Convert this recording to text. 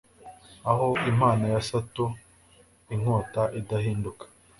Aho impano ya Sato inkota idahinduka